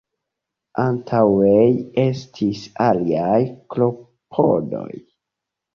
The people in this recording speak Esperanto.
Antaŭe estis aliaj klopodoj.